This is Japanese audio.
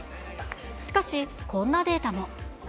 しかし、こんなデータも。